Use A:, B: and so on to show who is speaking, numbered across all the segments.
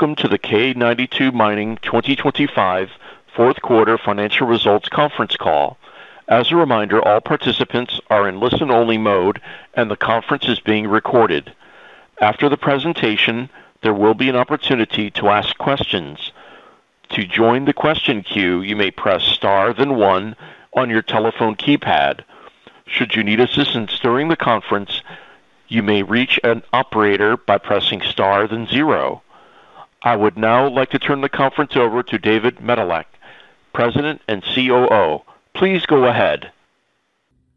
A: Welcome to the K92 Mining 2025 fourth quarter financial results conference call. As a reminder, all participants are in listen-only mode, and the conference is being recorded. After the presentation, there will be an opportunity to ask questions. To join the question queue, you may press star then one on your telephone keypad. Should you need assistance during the conference, you may reach an operator by pressing star then zero. I would now like to turn the conference over to David Medilek, President and COO. Please go ahead.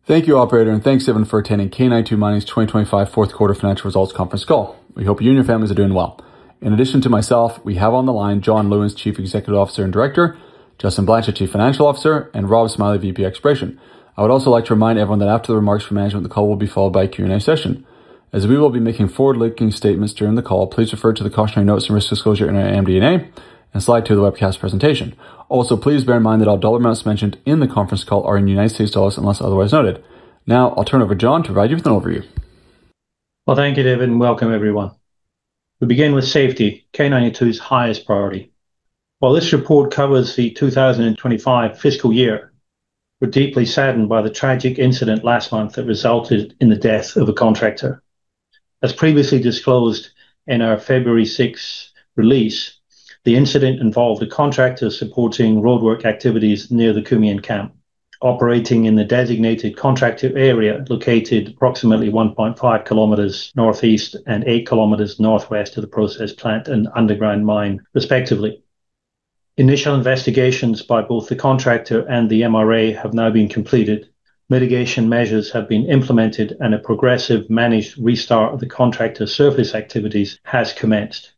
B: Thank you, operator, and thanks everyone for attending K92 Mining's 2025 fourth quarter financial results conference call. We hope you and your families are doing well. In addition to myself, we have on the line John Lewins, Chief Executive Officer and Director, Justin Blanchet, Chief Financial Officer, and Rob Smillie, VP Exploration. I would also like to remind everyone that after the remarks from management, the call will be followed by a Q&A session. As we will be making forward-looking statements during the call, please refer to the cautionary notes and risk disclosure in our MD&A and slide 2 of the webcast presentation. Please bear in mind that all dollar amounts mentioned in the conference call are in United States dollars unless otherwise noted. I'll turn over John to provide you with an overview.
C: Well, thank you, David, and welcome everyone. We begin with safety, K92's highest priority. While this report covers the 2025 fiscal year, we're deeply saddened by the tragic incident last month that resulted in the death of a contractor. As previously disclosed in our February 6th release, the incident involved a contractor supporting roadwork activities near the Kumian camp operating in the designated contractor area located approximately 1.5km northeast and 8km northwest of the process plant and underground mine, respectively. Initial investigations by both the contractor and the MRA have now been completed. Mitigation measures have been implemented and a progressive managed restart of the contractor surface activities has commenced.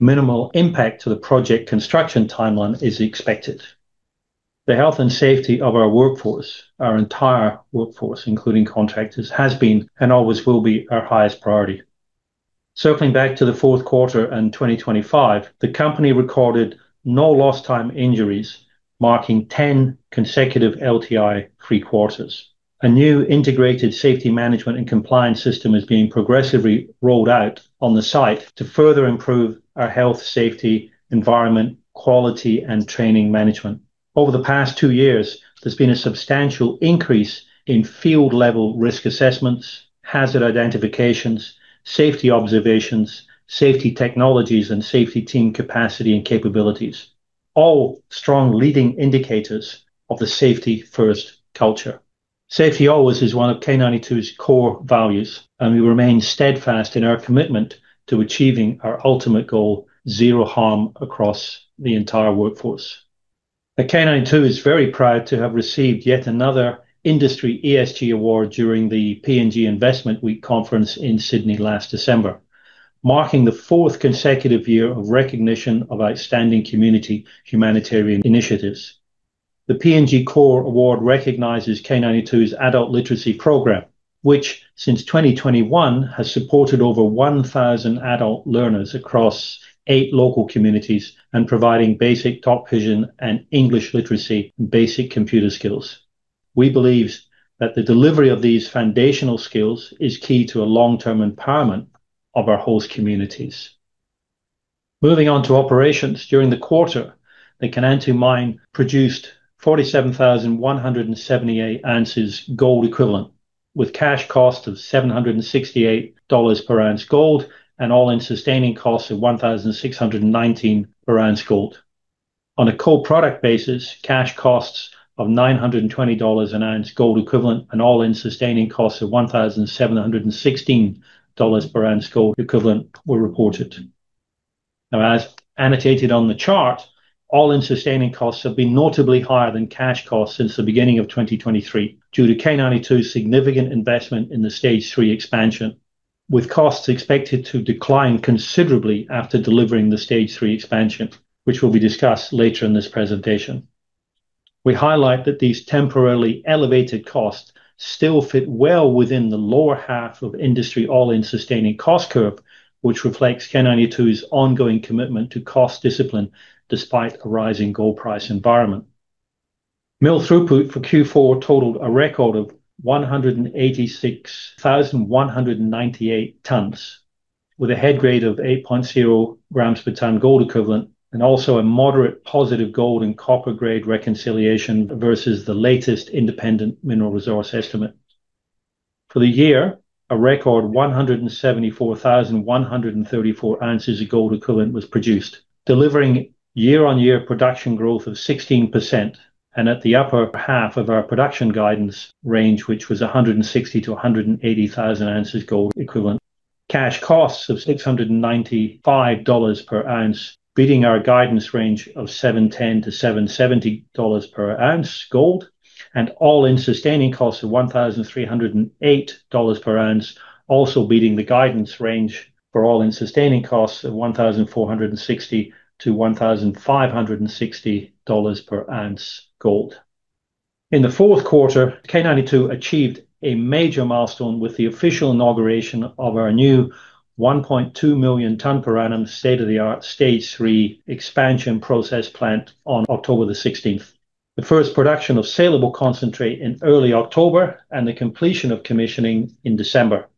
C: Minimal impact to the project construction timeline is expected. The health and safety of our workforce, our entire workforce, including contractors, has been and always will be our highest priority. Circling back to the fourth quarter in 2025, the company recorded no lost time injuries, marking 10 consecutive LTI free quarters. A new integrated safety management and compliance system is being progressively rolled out on the site to further improve our health, safety, environment, quality, and training management. Over the past two years, there's been a substantial increase in field level risk assessments, hazard identifications, safety observations, safety technologies, and safety team capacity and capabilities. All strong leading indicators of the safety first culture. Safety always is one of K92's core values. We remain steadfast in our commitment to achieving our ultimate goal, zero harm across the entire workforce. K92 is very proud to have received yet another industry ESG award during the PNG Investment Week Conference in Sydney last December, marking the fourth consecutive year of recognition of outstanding community humanitarian initiatives. The PNG CORE Award recognizes K92's adult literacy program, which since 2021 has supported over 1,000 adult learners across 8 local communities and providing basic top vision and English literacy basic computer skills. We believe that the delivery of these foundational skills is key to a long-term empowerment of our host communities. Moving on to operations. During the quarter, the Kainantu Mine produced 47,178oz gold equivalent with cash cost of $768 per oz gold and all-in sustaining costs of $1,619 per oz gold. On a co-product basis, cash costs of $920 an oz gold equivalent and all-in sustaining costs of $1,716 per oz gold equivalent were reported. Now, as annotated on the chart, all-in sustaining costs have been notably higher than cash costs since the beginning of 2023 due to K92's significant investment in the stage three expansion, with costs expected to decline considerably after delivering the stage three expansion, which will be discussed later in this presentation. We highlight that these temporarily elevated costs still fit well within the lower half of industry all-in sustaining cost curve, which reflects K92's ongoing commitment to cost discipline despite a rising gold price environment. Mill throughput for Q4 totaled a record of 186,198 tons, with a head grade of 8.0 g per ton gold equivalent and also a moderate positive gold and copper grade reconciliation versus the latest independent mineral resource estimate. For the year, a record 174,134oz of gold equivalent was produced, delivering year-over-year production growth of 16% at the upper half of our production guidance range, which was 160,000-180,000oz gold equivalent. Cash costs of $695 per oz, beating our guidance range of $710-$770 per oz gold, all-in sustaining costs of $1,308 per oz, also beating the guidance range for all-in sustaining costs of $1,460-$1,560 per oz gold. In the fourth quarter, K92 achieved a major milestone with the official inauguration of our new 1.2 million ton per annum state-of-the-art stage three expansion process plant on October 16th. The first production of saleable concentrate in early October and the completion of commissioning in December.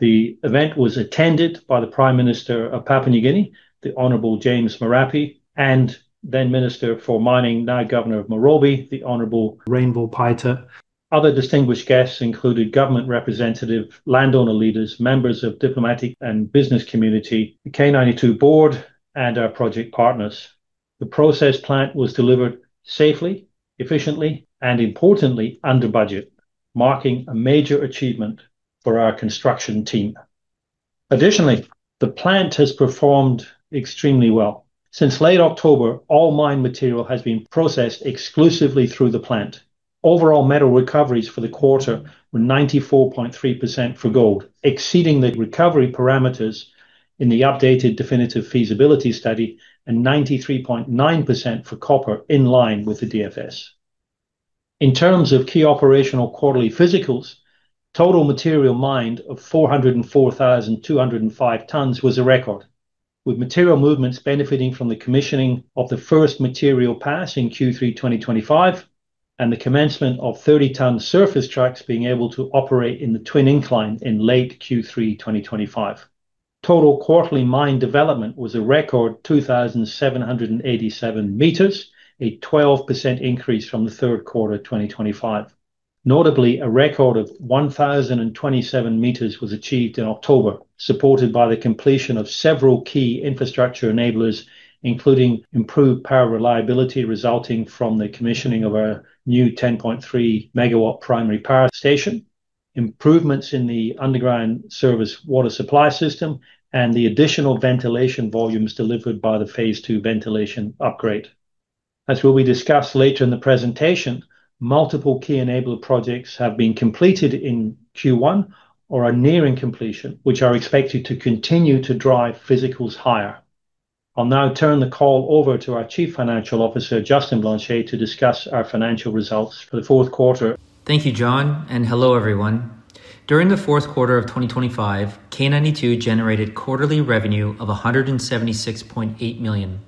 C: The event was attended by the Prime Minister of Papua New Guinea, the Honorable James Marape, and then Minister for Mining, now Governor of Morobe, the Honorable Rainbo Paita. Other distinguished guests included government representative, landowner leaders, members of diplomatic and business community, the K92 board, and our project partners. The process plant was delivered safely, efficiently, and importantly under budget, marking a major achievement for our construction team. The plant has performed extremely well. Since late October, all mine material has been processed exclusively through the plant. Overall metal recoveries for the quarter were 94.3% for gold, exceeding the recovery parameters in the updated definitive feasibility study, and 93.9% for copper in line with the DFS. In terms of key operational quarterly physicals, total material mined of 404,205 tons was a record, with material movements benefiting from the commissioning of the first material pass in Q3 2025 and the commencement of 30 ton surface trucks being able to operate in the twin incline in late Q3 2025. Total quarterly mine development was a record 2,787 meters, a 12% increase from the third quarter 2025. Notably, a record of 1,027 meters was achieved in October, supported by the completion of several key infrastructure enablers, including improved power reliability resulting from the commissioning of our new 10.3MW primary power station, improvements in the underground service water supply system, and the additional ventilation volumes delivered by the phase two ventilation upgrade. As will be discussed later in the presentation, multiple key enabler projects have been completed in Q1 or are nearing completion, which are expected to continue to drive physicals higher. I'll now turn the call over to our Chief Financial Officer, Justin Blanchet, to discuss our financial results for the fourth quarter.
D: Thank you, John. Hello, everyone. During the fourth quarter of 2025, K92 generated quarterly revenue of $176.8 million,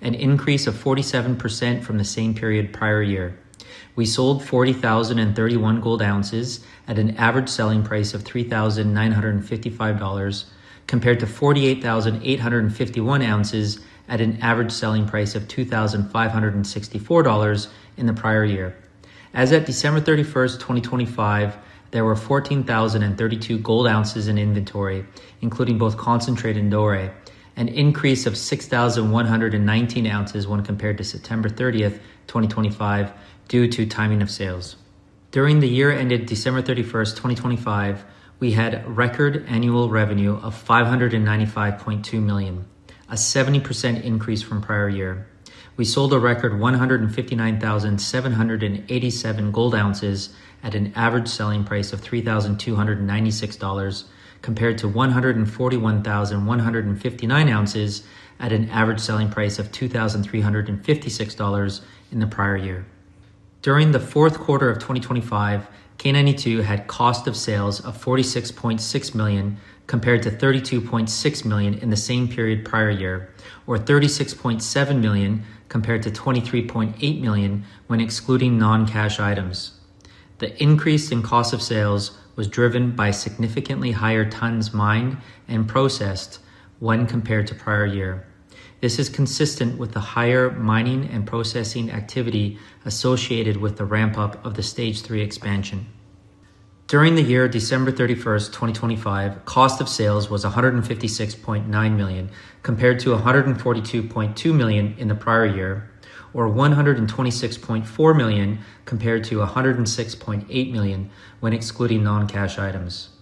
D: an increase of 47% from the same period prior year. We sold 40,031 gold oz at an average selling price of $3,955 compared to 48,851 oz at an average selling price of $2,564 in the prior year. As of December 31st, 2025, there were 14,032 gold oz in inventory, including both concentrate and doré, an increase of 6,119 oz when compared to September 30th, 2025, due to timing of sales. During the year ended December 31st, 2025, we had record annual revenue of $595.2 million, a 70% increase from prior year. We sold a record 159,787 gold oz at an average selling price of $3,296 compared to 141,159oz at an average selling price of $2,356 in the prior year. During the fourth quarter of 2025, K92 had cost of sales of $46.6 million compared to $32.6 million in the same period prior year or $36.7 million compared to $23.8 million when excluding non-cash items. The increase in cost of sales was driven by significantly higher tonnes mined and processed when compared to prior year. This is consistent with the higher mining and processing activity associated with the ramp-up of the stage three expansion. During the year December 31, 2025, cost of sales was $156.9 million compared to $142.2 million in the prior year or $126.4 million compared to $106.8 million when excluding non-cash items.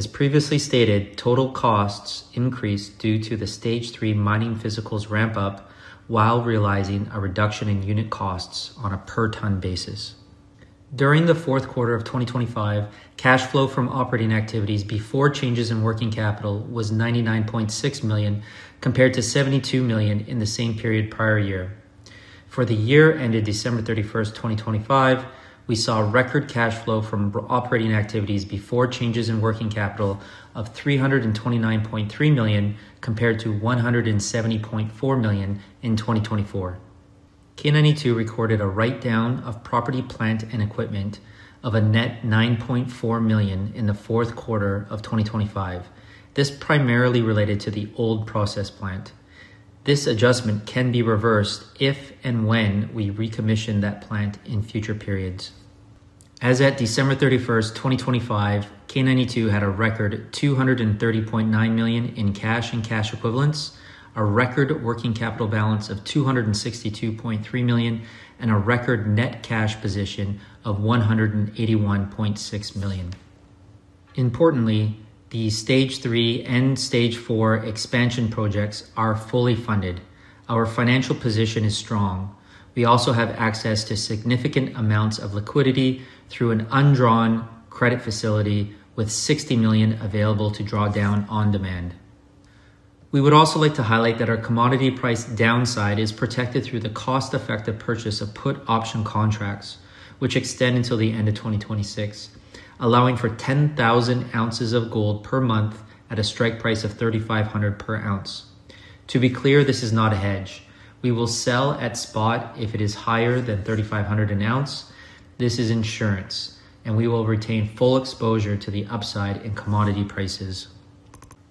D: As previously stated, total costs increased due to the stage three mining physicals ramp up while realizing a reduction in unit costs on a per tonne basis. During the fourth quarter of 2025, cash flow from operating activities before changes in working capital was $99.6 million compared to $72 million in the same period prior year. For the year ended December 31st, 2025, we saw record cash flow from operating activities before changes in working capital of $329.3 million compared to $170.4 million in 2024. K92 recorded a write-down of property, plant, and equipment of a net $9.4 million in the fourth quarter of 2025. This primarily related to the old process plant. This adjustment can be reversed if and when we recommission that plant in future periods. As at December 31st, 2025, K92 had a record $230.9 million in cash and cash equivalents, a record working capital balance of $262.3 million, and a record net cash position of $181.6 million. Importantly, the Stage 3 and Stage 4 expansion projects are fully funded. Our financial position is strong. We also have access to significant amounts of liquidity through an undrawn credit facility with $60 million available to draw down on demand. We would also like to highlight that our commodity price downside is protected through the cost-effective purchase of put option contracts, which extend until the end of 2026, allowing for 10,000oz of gold per month at a strike price of $3,500 per oz. To be clear, this is not a hedge. We will sell at spot if it is higher than $3,500 an oz. This is insurance, and we will retain full exposure to the upside in commodity prices.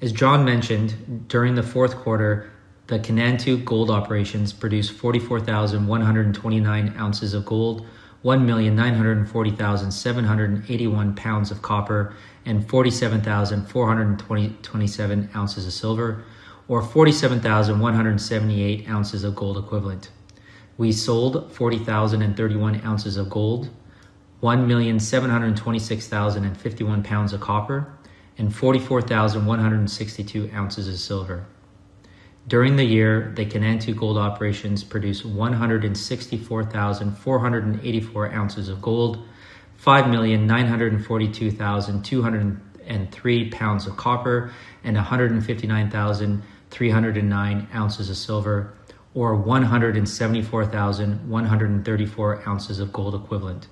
D: As John mentioned, during the fourth quarter, the Kainantu Gold Mine produced 44,129oz of gold, 1,940,781lbs of copper, and 47,427oz of silver or 47,178oz of gold equivalent. We sold 40,031oz of gold, 1,726,051 lbs of copper, and 44,162oz of silver. During the year, the Kainantu Gold Mine produced 164,484 oz of gold, 5,942,203lbs of copper, and 159,309oz of silver, or 174,134oz of gold equivalent.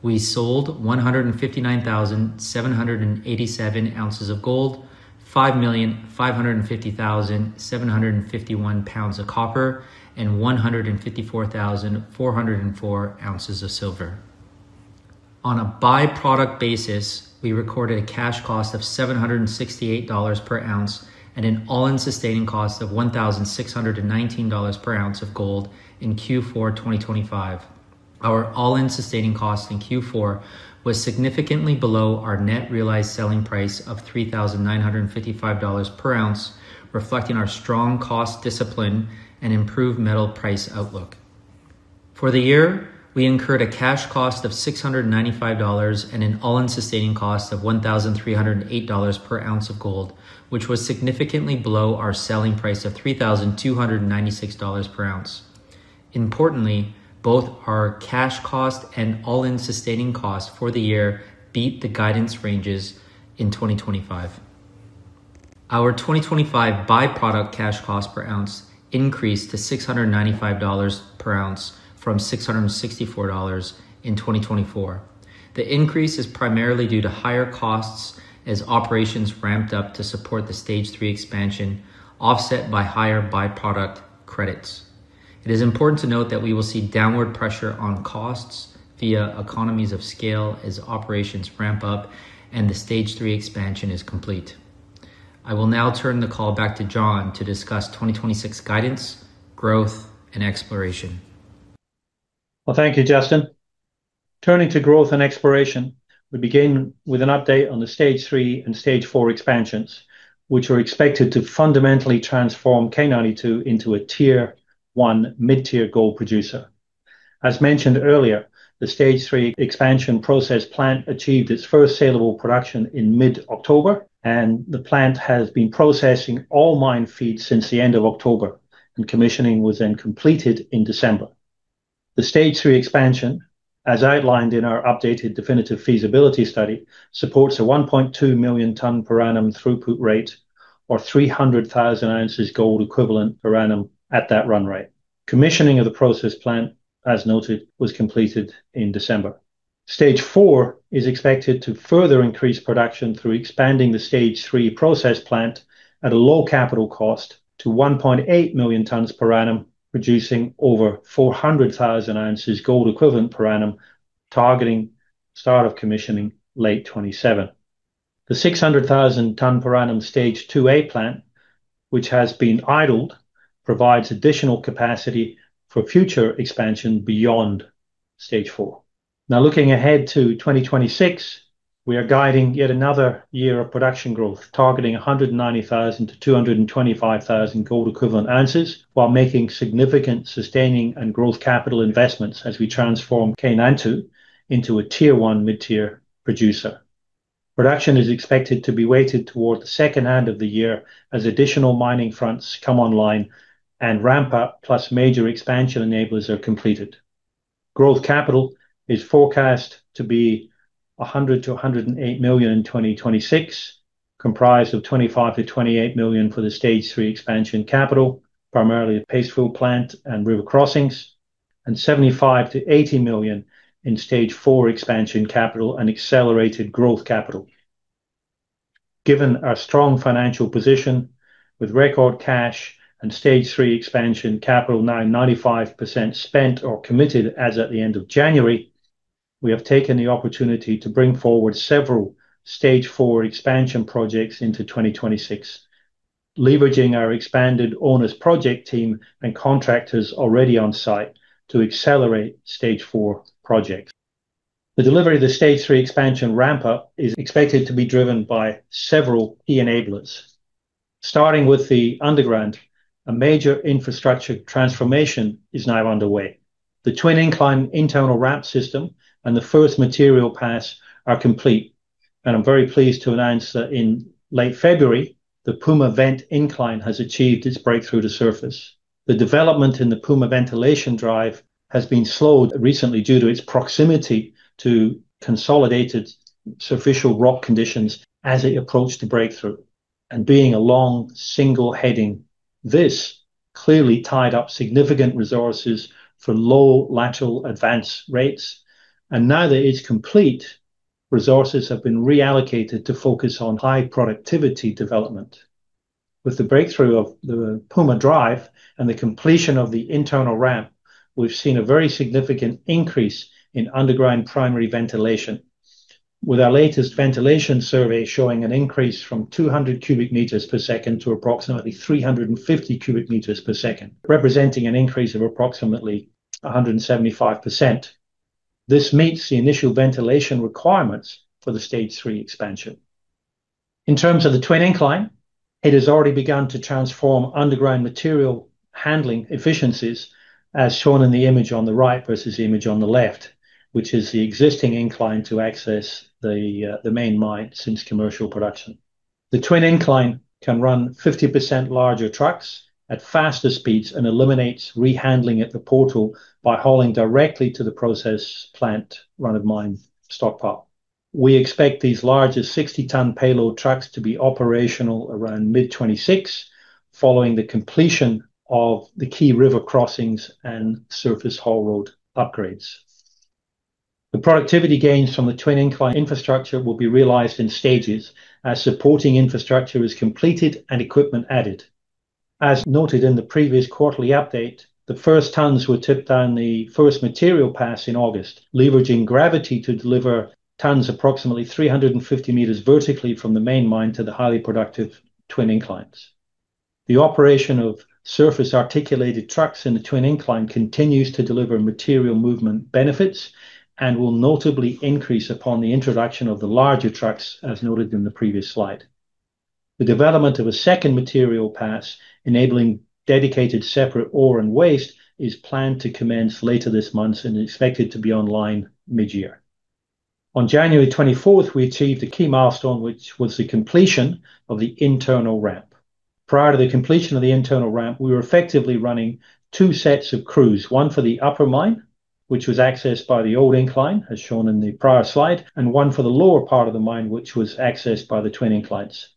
D: We sold 159,787oz of gold, 5,550,751lbs of copper, and 154,404oz of silver. On a byproduct basis, we recorded a cash cost of $768 per oz and an AISC of $1,619 per oz of gold in Q4 2025. Our AISC in Q4 was significantly below our net realized selling price of $3,955 per oz, reflecting our strong cost discipline and improved metal price outlook. For the year, we incurred a cash cost of $695 and an all-in sustaining costs of $1,308 per oz of gold, which was significantly below our selling price of $3,296 per oz. Importantly, both our cash cost and all-in sustaining costs for the year beat the guidance ranges in 2025. Our 2025 byproduct cash cost per oz increased to $695 per oz from $664 in 2024. The increase is primarily due to higher costs as operations ramped up to support the Stage 3 expansion, offset by higher byproduct credits. It is important to note that we will see downward pressure on costs via economies of scale as operations ramp up and the Stage 3 expansion is complete. I will now turn the call back to John to discuss 2026 guidance, growth, and exploration.
C: Well, thank you, Justin. Turning to growth and exploration, we begin with an update on the Stage 3 and Stage 4 expansions, which are expected to fundamentally transform K92 into a tier-one mid-tier gold producer. As mentioned earlier, the Stage 3 expansion process plant achieved its first salable production in mid-October. The plant has been processing all mine feeds since the end of October. Commissioning was then completed in December. The Stage 3 expansion, as outlined in our updated Definitive Feasibility Study, supports a 1.2 million ton per annum throughput rate or 300,000oz gold equivalent per annum at that run rate. Commissioning of the process plant, as noted, was completed in December. Stage four is expected to further increase production through expanding the stage three process plant at a low capital cost to 1.8 million tons per annum, reducing over 400,000oz gold equivalent per annum, targeting start of commissioning late 2027. The 600,000 ton per annum stage 2A plant, which has been idled, provides additional capacity for future expansion beyond stage four. Looking ahead to 2026, we are guiding yet another year of production growth, targeting 190,000-225,000 gold equivalent oz while making significant sustaining and growth capital investments as we transform K92 into a tier-one mid-tier producer. Production is expected to be weighted toward the second half of the year as additional mining fronts come online and ramp-up, plus major expansion enablers are completed. Growth capital is forecast to be $100 million-$108 million in 2026, comprised of $25 million-$28 million for the stage three expansion capital, primarily paste fill plant and river crossings, and $75 million-$80 million in stage four expansion capital and accelerated growth capital. Given our strong financial position with record cash and stage three expansion capital now 95% spent or committed as at the end of January, we have taken the opportunity to bring forward several stage four expansion projects into 2026, leveraging our expanded owners project team and contractors already on site to accelerate stage four projects. The delivery of the stage three expansion ramp-up is expected to be driven by several key enablers. Starting with the underground, a major infrastructure transformation is now underway. The twin incline internal ramp system and the first material pass are complete. I'm very pleased to annoz that in late February, the Puma vent incline has achieved its breakthrough to surface. The development in the Puma ventilation drive has been slowed recently due to its proximity to consolidated surficial rock conditions as it approached the breakthrough and being a long single heading. This clearly tied up significant resources for low lateral advance rates. Now that it's complete, resources have been reallocated to focus on high productivity development. With the breakthrough of the Puma Drive and the completion of the internal ramp, we've seen a very significant increase in underground primary ventilation. With our latest ventilation survey showing an increase from 200 cubic meters per second to approximately 350 cubic meters per second, representing an increase of approximately 175%. This meets the initial ventilation requirements for the stage 3 expansion. In terms of the twin incline, it has already begun to transform underground material handling efficiencies, as shown in the image on the right versus the image on the left, which is the existing incline to access the main mine since commercial production. The twin incline can run 50% larger trucks at faster speeds and eliminates re-handling at the portal by hauling directly to the process plant run of mine stock pile. We expect these larger 60-ton payload trucks to be operational around mid-2026, following the completion of the key river crossings and surface haul road upgrades. The productivity gains from the twin incline infrastructure will be realized in stages as supporting infrastructure is completed and equipment added. As noted in the previous quarterly update, the first tons were tipped down the first material pass in August, leveraging gravity to deliver tons approximately 350 meters vertically from the main mine to the highly productive twin inclines. The operation of surface articulated trucks in the twin incline continues to deliver material movement benefits and will notably increase upon the introduction of the larger trucks, as noted in the previous slide. The development of a second material pass, enabling dedicated separate ore and waste, is planned to commence later this month and is expected to be online mid-year. On January 24th, we achieved a key milestone, which was the completion of the internal ramp. Prior to the completion of the internal ramp, we were effectively running two sets of crews, one for the upper mine, which was accessed by the old incline, as shown in the prior slide, and one for the lower part of the mine, which was accessed by the twin inclines.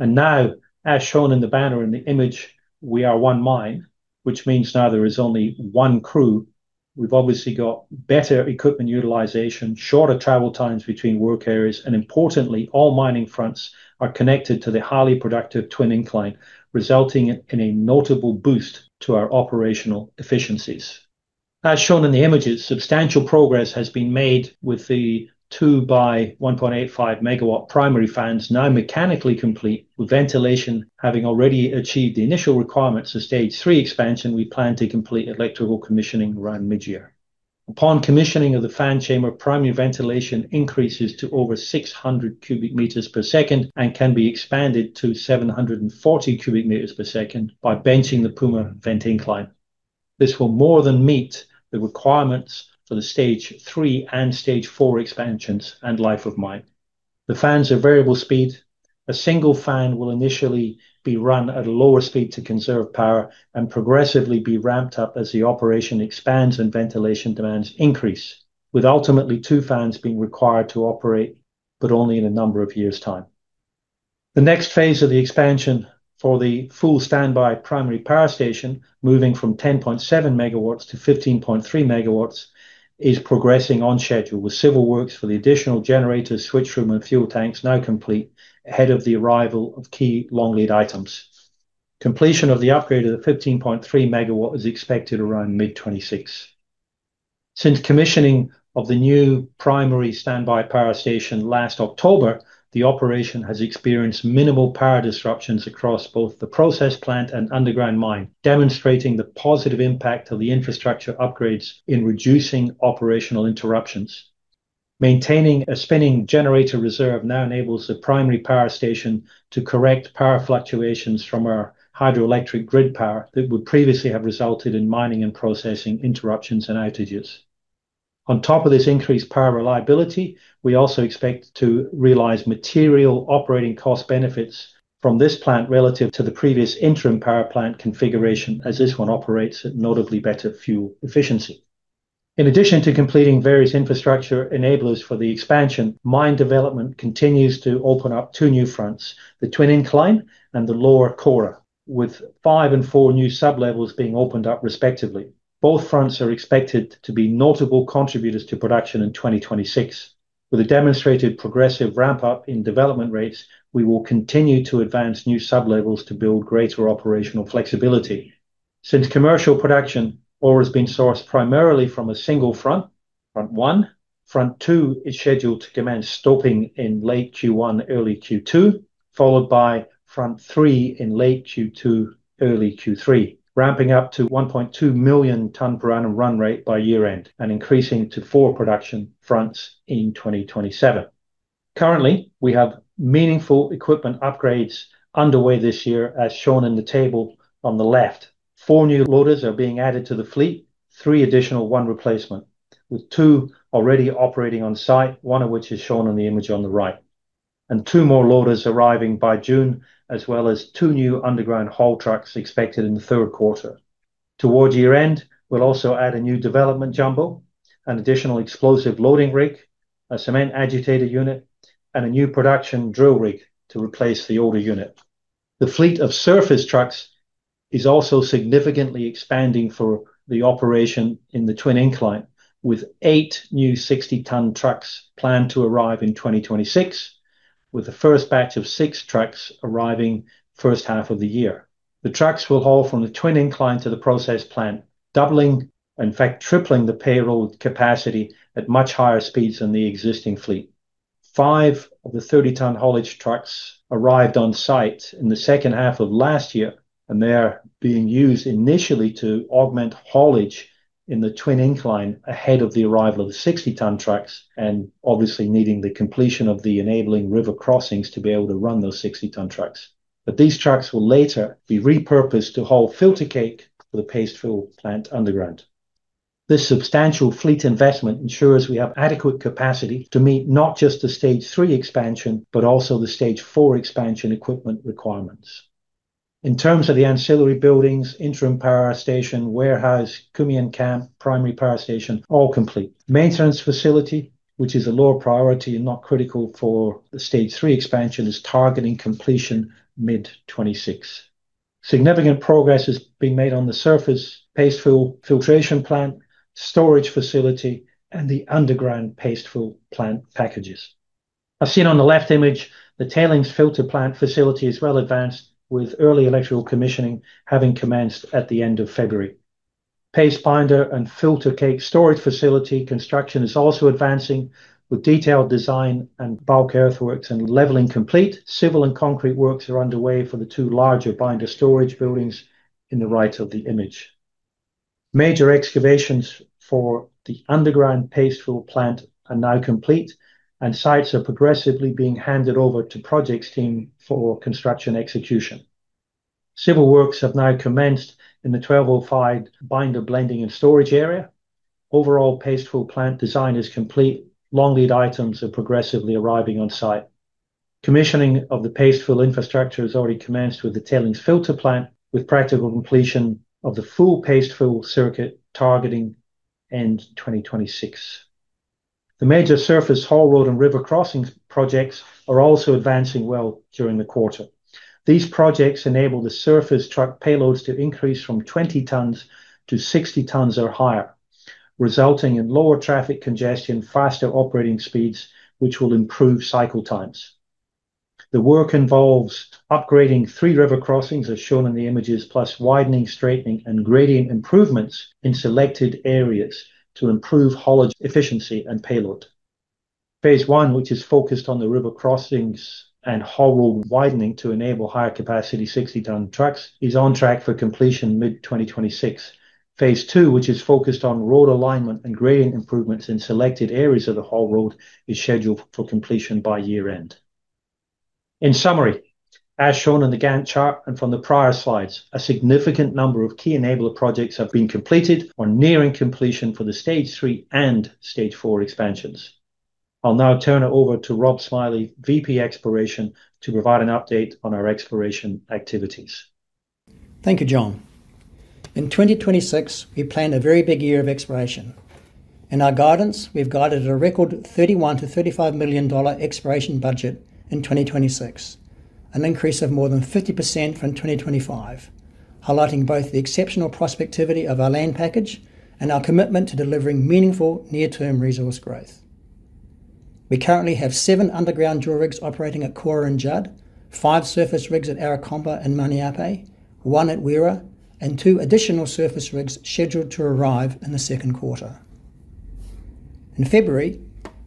C: Now, as shown in the banner in the image, we are one mine, which means now there is only one crew. We've obviously got better equipment utilization, shorter travel times between work areas, and importantly, all mining fronts are connected to the highly productive twin incline, resulting in a notable boost to our operational efficiencies. As shown in the images, substantial progress has been made with the 2 by 1.85MW primary fans now mechanically complete with ventilation having already achieved the initial requirements for stage three expansion, we plan to complete electrical commissioning around mid-year. Upon commissioning of the fan chamber, primary ventilation increases to over 600 cubic meters per second and can be expanded to 740 cubic meters per second by benching the Puma vent incline. This will more than meet the requirements for the stage three and stage four expansions and life of mine. The fans are variable speed. A single fan will initially be run at a lower speed to conserve power and progressively be ramped up as the operation expands and ventilation demands increase, with ultimately two fans being required to operate, but only in a number of years' time. The next phase of the expansion for the full standby primary power station, moving from 10.7MW-15.3MW, is progressing on schedule with civil works for the additional generators, switch room, and fuel tanks now complete ahead of the arrival of key long lead items. Completion of the upgrade of the 15.3MW is expected around mid-2026. Since commissioning of the new primary standby power station last October, the operation has experienced minimal power disruptions across both the process plant and underground mine, demonstrating the positive impact of the infrastructure upgrades in reducing operational interruptions. Maintaining a spinning generator reserve now enables the primary power station to correct power fluctuations from our hydroelectric grid power that would previously have resulted in mining and processing interruptions and outages. On top of this increased power reliability, we also expect to realize material operating cost benefits from this plant relative to the previous interim power plant configuration as this one operates at notably better fuel efficiency. In addition to completing various infrastructure enablers for the expansion, mine development continues to open up 2 new fronts, the twin incline and the lower Kora, with five and four new sub-levels being opened up respectively. Both fronts are expected to be notable contributors to production in 2026. With a demonstrated progressive ramp up in development rates, we will continue to advance new sub-levels to build greater operational flexibility. Since commercial production, ore has been sourced primarily from a single front 1. Front 2 is scheduled to commence stopping in late Q1, early Q2, followed by front 3 in late Q2, early Q3, ramping up to 1.2 million ton per annum run rate by year-end and increasing to 4 production fronts in 2027. Currently, we have meaningful equipment upgrades underway this year, as shown in the table on the left. 4 new loaders are being added to the fleet, 3 additional, 1 replacement, with 2 already operating on site, 1 of which is shown on the image on the right. 2 more loaders arriving by June, as well as 2 new underground haul trucks expected in the third quarter. Towards year-end, we'll also add a new development jumbo, an additional explosive loading rig, a cement agitator unit, and a new production drill rig to replace the older unit. The fleet of surface trucks is also significantly expanding for the operation in the twin incline, with 8 new 60-ton trucks planned to arrive in 2026, with the first batch of 6 trucks arriving first half of the year. The trucks will haul from the twin incline to the process plant, doubling, in fact tripling the payroll capacity at much higher speeds than the existing fleet. 5 of the 30-ton haulage trucks arrived on site in the second half of last year. They are being used initially to augment haulage in the twin incline ahead of the arrival of the 60-ton trucks and obviously needing the completion of the enabling river crossings to be able to run those 60-ton trucks. These trucks will later be repurposed to haul filter cake for the paste fill plant underground. This substantial fleet investment ensures we have adequate capacity to meet not just the stage 3 expansion, but also the stage 4 expansion equipment requirements. In terms of the ancillary buildings, interim power station, warehouse, Kumian camp, primary power station, all complete. Maintenance facility, which is a lower priority and not critical for the stage 3 expansion, is targeting completion mid-2026. Significant progress has been made on the surface paste fill filtration plant, storage facility, and the underground paste fill plant packages. As seen on the left image, the tailings filter plant facility is well advanced, with early electrical commissioning having commenced at the end of February. Paste binder and filter cake storage facility construction is also advancing with detailed design and bulk earthworks and leveling complete. Civil and concrete works are underway for the two larger binder storage buildings in the right of the image. Major excavations for the underground paste fill plant are now complete, and sites are progressively being handed over to projects team for construction execution. Civil works have now commenced in the 1205 binder blending and storage area. Overall paste fill plant design is complete. Long lead items are progressively arriving on site. Commissioning of the paste fill infrastructure has already commenced with the tailings filter plant, with practical completion of the full paste fill circuit targeting end 2026. The major surface haul road and river crossings projects are also advancing well during the quarter. These projects enable the surface truck payloads to increase from 20 tons-60 tons or higher, resulting in lower traffic congestion, faster operating speeds, which will improve cycle times. The work involves upgrading three river crossings, as shown in the images, plus widening, straightening, and gradient improvements in selected areas to improve haulage efficiency and payload. Phase one, which is focused on the river crossings and haul road widening to enable higher capacity 60-ton trucks, is on track for completion mid-2026. Phase two, which is focused on road alignment and gradient improvements in selected areas of the haul road, is scheduled for completion by year-end. In summary, as shown in the Gantt chart and from the prior slides, a significant number of key enabler projects have been completed or nearing completion for the stage three and stage four expansions. I'll now turn it over to Robert Smillie, VP Exploration, to provide an update on our exploration activities.
E: Thank you, John. In 2026, we plan a very big year of exploration. In our guidance, we've guided a record $31 million-$35 million exploration budget in 2026, an increase of more than 50% from 2025, highlighting both the exceptional prospectivity of our land package and our commitment to delivering meaningful near-term resource growth. We currently have 7 underground drill rigs operating at Kora and Judd, 5 surface rigs at Arakompa and Maniape, one at Wera, and two additional surface rigs scheduled to arrive in the second quarter. In February,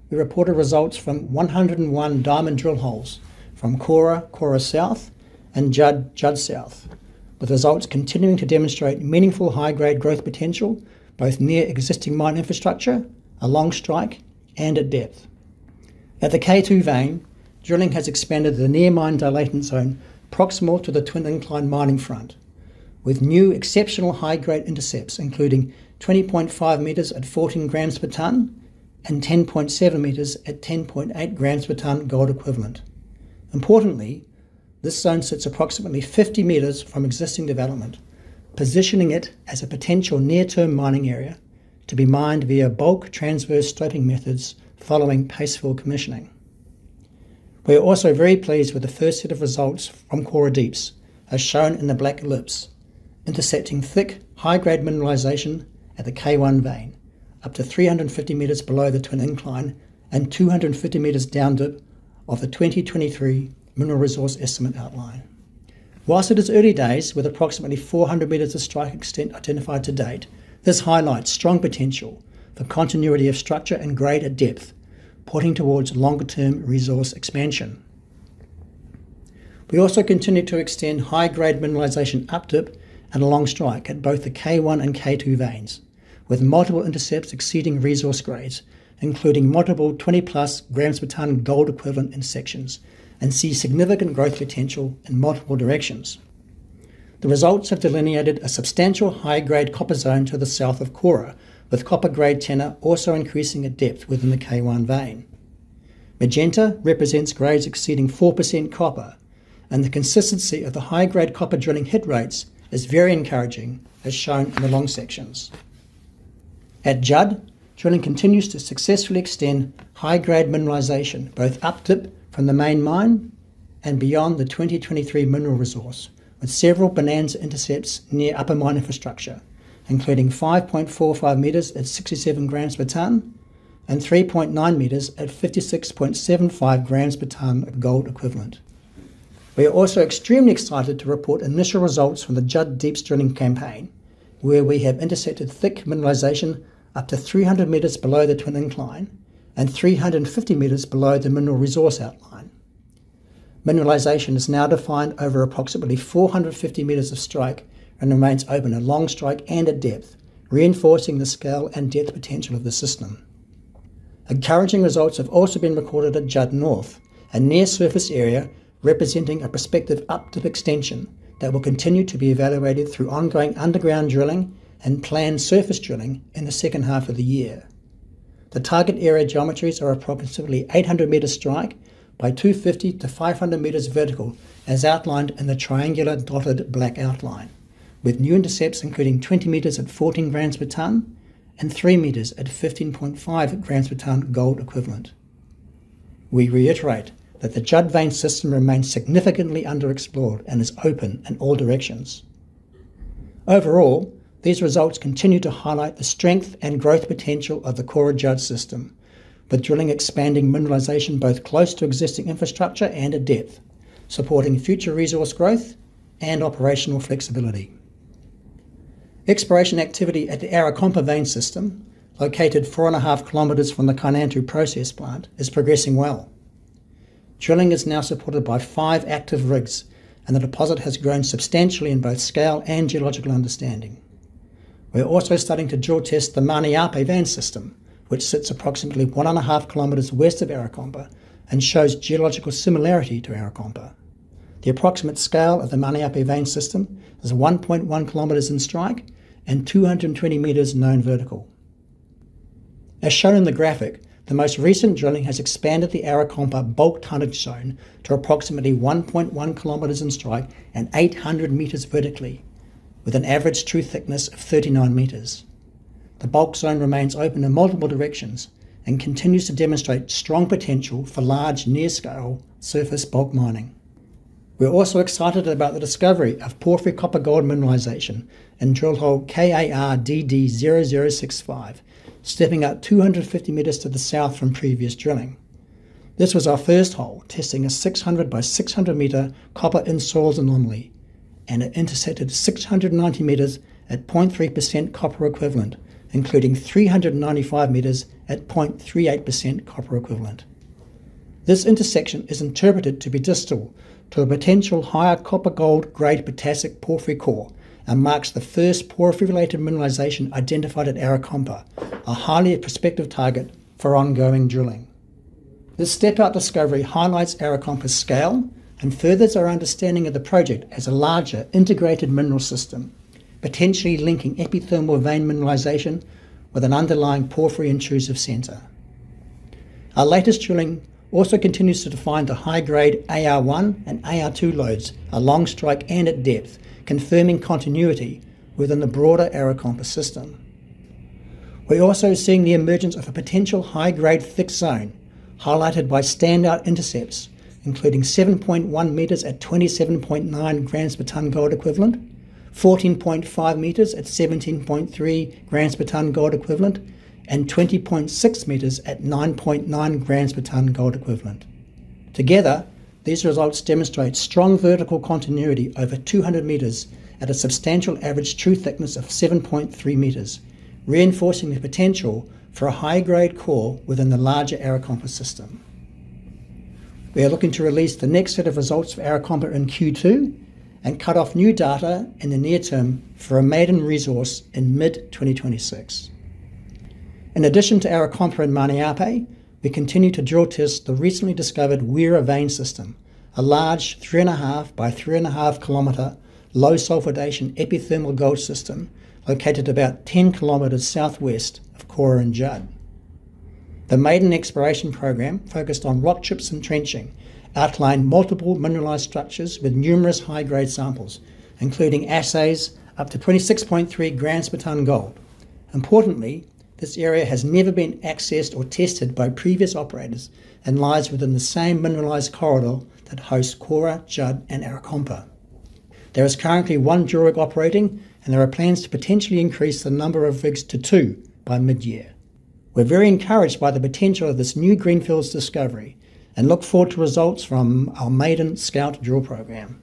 E: we reported results from 101 diamond drill holes from Kora South, and Judd South, with results continuing to demonstrate meaningful high-grade growth potential both near existing mine infrastructure, along strike, and at depth. At the K2 Vein, drilling has expanded the near mine dilation zone proximal to the twin incline mining front with new exceptional high-grade intercepts, including 20.5 meters at 14g per ton and 10.7 meters at 10.8g per ton gold equivalent. Importantly, this zone sits approximately 50 meters from existing development, positioning it as a potential near-term mining area to be mined via bulk transverse sloping methods following paste fill commissioning. We're also very pleased with the first set of results from Kora Deeps, as shown in the black ellipse, intercepting thick, high-grade mineralization at the K1 Vein, up to 350 meters below the twin incline and 250 meters down dip of the 2023 mineral resource estimate outline. Whilst it is early days, with approximately 400 meters of strike extent identified to date, this highlights strong potential for continuity of structure and grade at depth, pointing towards longer-term resource expansion. We also continue to extend high-grade mineralization up dip and along strike at both the K1 and K2 veins, with multiple intercepts exceeding resource grades, including multiple 20-plus g per ton gold equivalent in sections, and see significant growth potential in multiple directions. The results have delineated a substantial high-grade copper zone to the south of Kora, with copper grade tenor also increasing at depth within the K-one Vein. Magenta represents grades exceeding 4% copper, and the consistency of the high-grade copper drilling hit rates is very encouraging, as shown in the long sections. At Judd, drilling continues to successfully extend high-grade mineralization both up-dip from the main mine and beyond the 2023 mineral resource, with several bonanza intercepts near upper mine infrastructure, including 5.45 meters at 67g per tonne and 3.9 meters at 56.75g per tonne of gold equivalent. We are also extremely excited to report initial results from the Judd Deeps drilling campaign, where we have intercepted thick mineralization up to 300 meters below the twin incline and 350 meters below the mineral resource outline. Mineralization is now defined over approximately 450 meters of strike and remains open at long strike and at depth, reinforcing the scale and depth potential of the system. Encouraging results have also been recorded at Judd North, a near-surface area representing a prospective up-dip extension that will continue to be evaluated through ongoing underground drilling and planned surface drilling in the second half of the year. The target area geometries are approximately 800 meter strike by 250-500 meters vertical, as outlined in the triangular dotted black outline, with new intercepts including 20 meters at 14g per tonne and 3 meters at 15.5g per tonne gold equivalent. We reiterate that the Judd vein system remains significantly underexplored and is open in all directions. These results continue to highlight the strength and growth potential of the Kora Judd system, with drilling expanding mineralization both close to existing infrastructure and at depth, supporting future resource growth and operational flexibility. Exploration activity at the Arakompa vein system, located 4.5 km from the Kainantu process plant, is progressing well. Drilling is now supported by 5 active rigs, and the deposit has grown substantially in both scale and geological understanding. We're also starting to drill test the Maniape vein system, which sits approximately 1.5 km west of Arakompa and shows geological similarity to Arakompa. The approximate scale of the Maniape vein system is 1.1km in strike and 220 meters known vertical. As shown in the graphic, the most recent drilling has expanded the Arakompa bulk tonnage zone to approximately 1.1km in strike and 800 meters vertically, with an average true thickness of 39 meters. The bulk zone remains open in multiple directions and continues to demonstrate strong potential for large near-scale surface bulk mining. We're also excited about the discovery of porphyry copper-gold mineralization in drill hole KARDD0065, stepping out 250 meters to the south from previous drilling. This was our first hole testing a 600 by 600 meter copper in soils anomaly, and it intersected 690 meters at 0.3% copper equivalent, including 395 meters at 0.38% copper equivalent. This intersection is interpreted to be distal to a potential higher copper-gold grade potassic porphyry core and marks the first porphyry-related mineralization identified at Arakompa, a highly prospective target for ongoing drilling. This step-out discovery highlights Arakompa's scale and furthers our understanding of the project as a larger integrated mineral system, potentially linking epithermal vein mineralization with an underlying porphyry intrusive center. Our latest drilling also continues to define the high-grade AR1 and AR2 lodes along strike and at depth, confirming continuity within the broader Arakompa system. We're also seeing the emergence of a potential high-grade thick zone highlighted by standout intercepts, including 7.1 meters at 27.9g per tonne gold equivalent, 14.5 meters at 17.3g per tonne gold equivalent, and 20.6 meters at 9.9g per tonne gold equivalent. Together, these results demonstrate strong vertical continuity over 200 meters at a substantial average true thickness of 7.3 meters, reinforcing the potential for a high-grade core within the larger Arakompa system. We are looking to release the next set of results for Arakompa in Q2 and cut off new data in the near term for a maiden resource in mid-2026. In addition to Arakompa and Maniape, we continue to drill test the recently discovered Wera vein system, a large 3.5 by 3.5km low sulfidation epithermal gold system located about 10km southwest of Kora and Judd. The maiden exploration program, focused on rock chips and trenching, outlined multiple mineralized structures with numerous high-grade samples, including assays up to 26.3 g per tonne gold. Importantly, this area has never been accessed or tested by previous operators and lies within the same mineralized corridor that hosts Kora, Judd, and Arakompa. There is currently one drill rig operating, and there are plans to potentially increase the number of rigs to two by mid-year. We're very encouraged by the potential of this new greenfields discovery and look forward to results from our maiden scout drill program.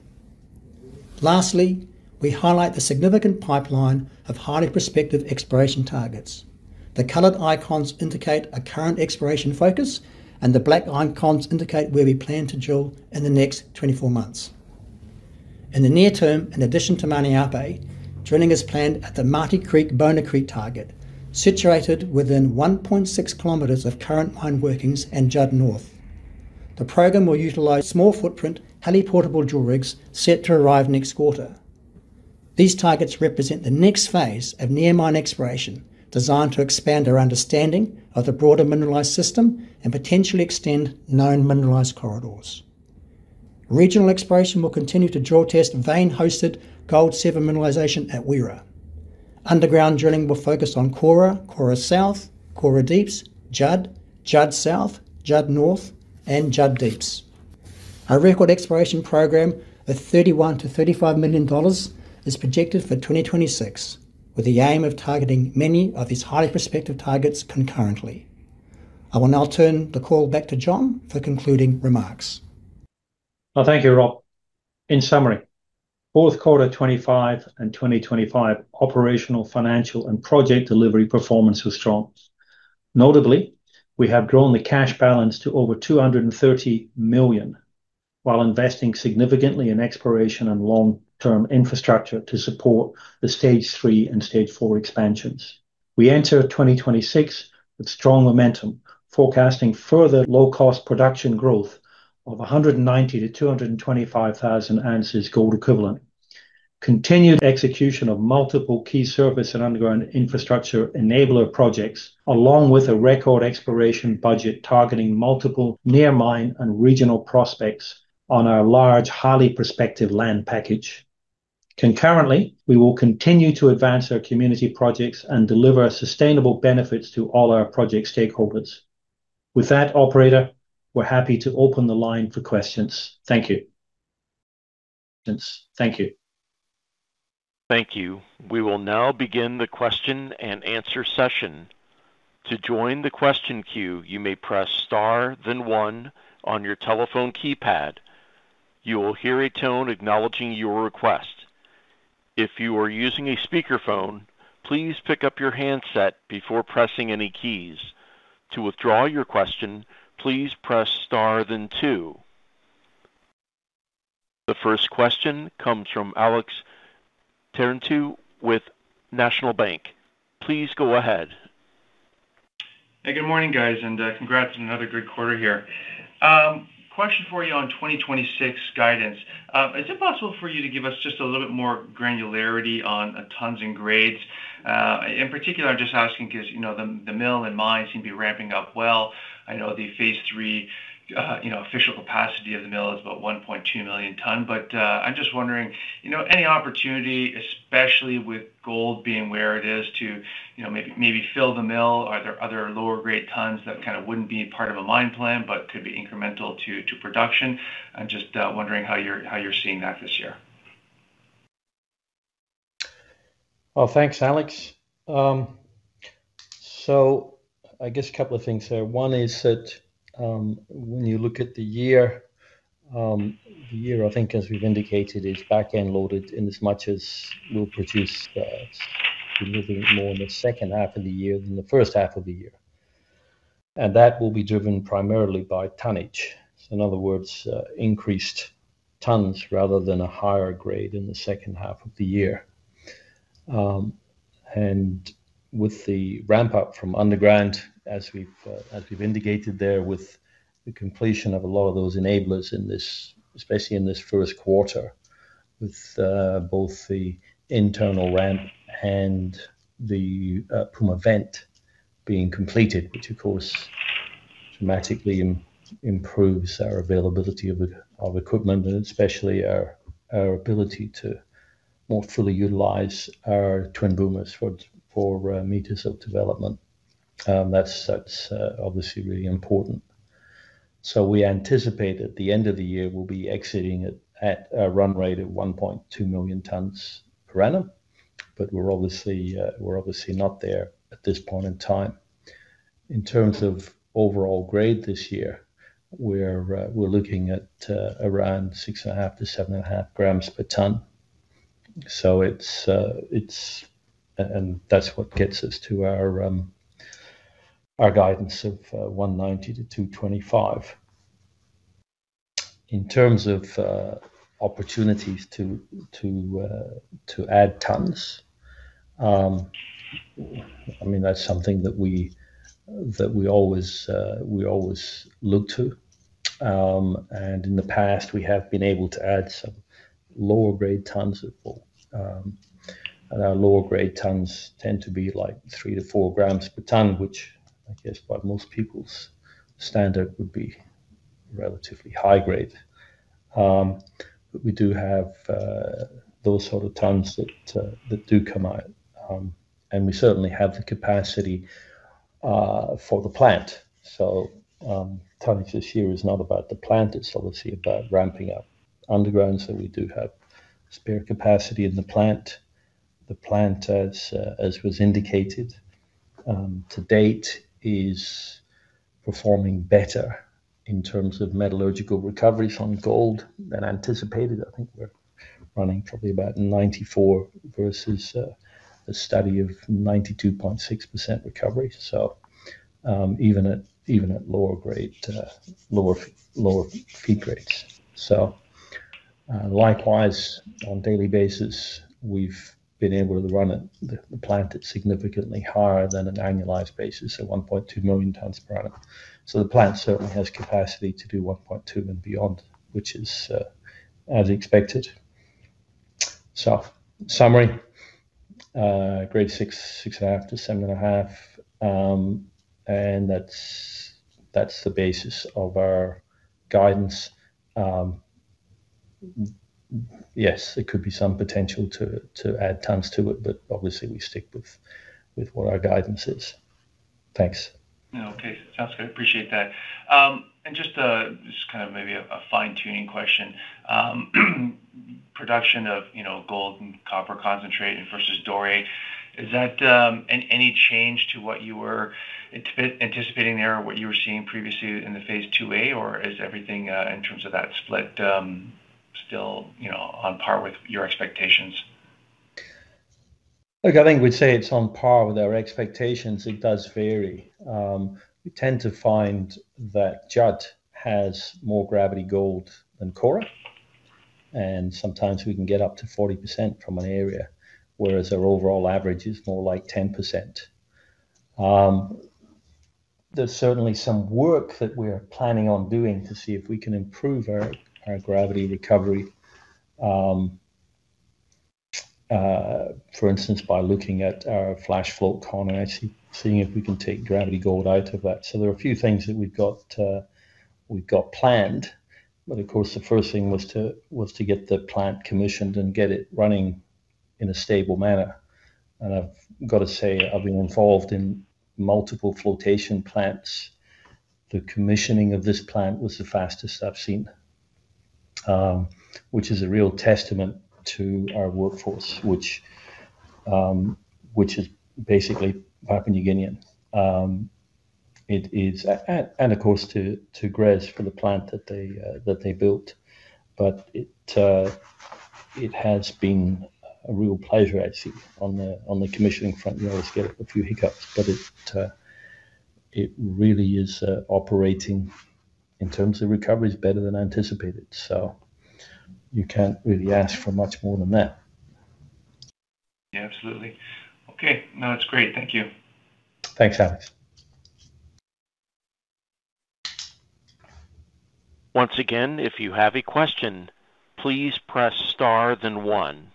E: Lastly, we highlight the significant pipeline of highly prospective exploration targets. The colored icons indicate a current exploration focus, and the black icons indicate where we plan to drill in the next 24 months. In the near term, in addition to Maniape, drilling is planned at the Mati Creek/Bona Creek target, situated within 1.6km of current mine workings and Judd North. The program will utilize small footprint heli-portable drill rigs set to arrive next quarter. These targets represent the next phase of near mine exploration, designed to expand our understanding of the broader mineralized system and potentially extend known mineralized corridors. Regional exploration will continue to drill test vein-hosted gold-silver mineralization at Wera. Underground drilling will focus on Kora South, Kora Deeps, Judd South, Judd North, and Judd Deeps. Our record exploration program of $31 million-$35 million is projected for 2026, with the aim of targeting many of these highly prospective targets concurrently. I will now turn the call back to John for concluding remarks.
C: Well, thank you, Rob. In summary, fourth quarter 2025 and 2025 operational, financial, and project delivery performance was strong. Notably, we have grown the cash balance to over $230 million while investing significantly in exploration and long-term infrastructure to support the stage three and stage four expansions. We enter 2026 with strong momentum, forecasting further low cost production growth of 190,000-225,000oz gold equivalent. Continued execution of multiple key surface and underground infrastructure enabler projects, along with a record exploration budget targeting multiple near mine and regional prospects on our large, highly prospective land package. Concurrently, we will continue to advance our community projects and deliver sustainable benefits to all our project stakeholders. With that, operator, we're happy to open the line for questions. Thank you.
A: Thank you. We will now begin the question and answer session. To join the question queue, you may press Star then one on your telephone keypad. You will hear a tone acknowledging your request. If you are using a speakerphone, please pick up your handset before pressing any keys. To withdraw your question, please press Star then two. The first question comes from Alex Terentiew with National Bank. Please go ahead.
F: Hey, good morning, guys, and congrats on another great quarter here. Question for you on 2026 guidance. Is it possible for you to give us just a little bit more granularity on tonnes and grades? In particular, I'm just asking 'cause, you know, the mill and mine seem to be ramping up well. I know the phase 3, you know, official capacity of the mill is about 1.2 million tonne. I'm just wondering, you know, any opportunity, especially with gold being where it is to, you know, maybe fill the mill. Are there other lower grade tonnes that kind of wouldn't be part of a mine plan but could be incremental to production? I'm just wondering how you're seeing that this year.
C: Well, thanks, Alex. I guess a couple of things there. One is that, when you look at the year, the year, I think as we've indicated, is back-end loaded in as much as we'll produce, delivering it more in the second half of the year than the first half of the year. That will be driven primarily by tonnage. In other words, increased tonnes rather than a higher grade in the second half of the year. With the ramp up from underground, as we've, as we've indicated there, with the completion of a lot of those enablers in this, especially in this first quarter, with, both the internal ramp and the, Puma vent being completed. Which of course dramatically improves our availability of equipment and especially our ability to more fully utilize our twin boomers for meters of development. That's obviously really important. We anticipate at the end of the year, we'll be exiting at a run rate of 1.2 million tonnes per annum. We're obviously not there at this point in time. In terms of overall grade this year, we're looking at around 6.5-7.5 g per tonne. And that's what gets us to our guidance of 190 to 225. In terms of opportunities to add tonnes, I mean, that's something that we always look to. In the past, we have been able to add some lower grade tonnes. Our lower grade tonnes tend to be, like, 3g-4g per tonne, which I guess by most people's standard would be relatively high grade. We do have those sort of tonnes that do come out. We certainly have the capacity for the plant. Tonnage this year is not about the plant, it's obviously about ramping up underground, so we do have spare capacity in the plant. The plant, as was indicated, to date, is performing better in terms of metallurgical recoveries on gold than anticipated. I think we're running probably about 94% versus a study of 92.6% recovery. Even at, even at lower grade, lower feed grades. Likewise, on a daily basis, we've been able to run it, the plant at significantly higher than an annualized basis at 1.2 million tons of product. The plant certainly has capacity to do 1.2 and beyond, which is as expected. Summary, grade 6.5 to 7.5. And that's the basis of our guidance. Yes, there could be some potential to add tons to it, but obviously we stick with what our guidance is. Thanks.
F: Okay. Sounds good. Appreciate that. Just a kind of maybe a fine-tuning question. Production of, you know, gold and copper concentrate versus doré, is that, any change to what you were anticipating there or what you were seeing previously in the phase 2A? Or is everything, in terms of that split, still, you know, on par with your expectations?
C: I think we'd say it's on par with our expectations. It does vary. We tend to find that Judd has more gravity gold than Kora, sometimes we can get up to 40% from an area, whereas our overall average is more like 10%. There's certainly some work that we're planning on doing to see if we can improve our gravity recovery, for instance, by looking at our flash flotation column and actually seeing if we can take gravity gold out of that. There are a few things that we've got, we've got planned. Of course, the first thing was to get the plant commissioned and get it running in a stable manner. I've got to say, I've been involved in multiple flotation plants. The commissioning of this plant was the fastest I've seen. Which is a real testament to our workforce, which is basically Papua New Guinean. And of course to GRES for the plant that they built. It has been a real pleasure actually on the commissioning front. You always get a few hiccups. It really is operating in terms of recoveries better than anticipated. You can't really ask for much more than that.
F: Yeah, absolutely. Okay. No, that's great. Thank you.
C: Thanks, Alex.
A: Once again, if you have a question, please press star then one.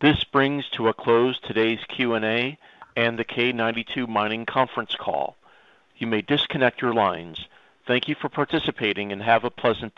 A: This brings to a close today's Q&A and the K92 Mining conference call. You may disconnect your lines. Thank you for participating and have a pleasant day.